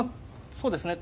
そうですね。